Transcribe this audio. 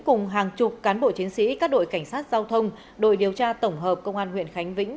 cùng hàng chục cán bộ chiến sĩ các đội cảnh sát giao thông đội điều tra tổng hợp công an huyện khánh vĩnh